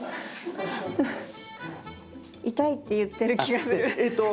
「痛い」って言ってる気がする。